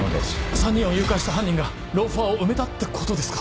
３人を誘拐した犯人がローファーを埋めたってことですか